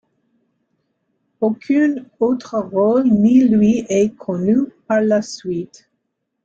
Aucun autre rôle ne lui est connu par la suite.